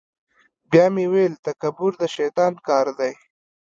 بیا مې ویل تکبر د شیطان کار دی.